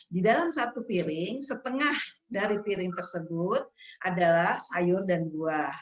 di dalam satu piring setengah dari piring tersebut adalah sayur dan buah